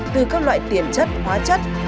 từ các loại tiền chất hóa chất